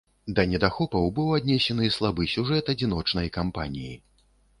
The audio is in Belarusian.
Да недахопаў быў аднесены слабы сюжэт адзіночнай кампаніі.